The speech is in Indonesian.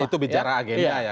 itu bicara agenda ya